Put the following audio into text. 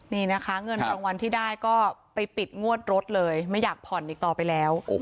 นี่นะคะเงินรางวัลที่ได้ก็ไปปิดงวดรถเลยไม่อยากผ่อนอีกต่อไปแล้ว